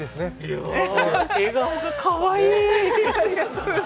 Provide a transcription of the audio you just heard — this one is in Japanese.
いやぁ、笑顔がかわいい。